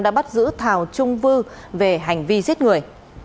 đã bắt giữ thảo trung vư về hành vi giết người